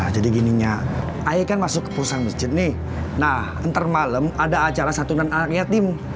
jadi gininya ayah masuk ke perusahaan mesjid nih nah ntar malam ada acara satu dan alkitim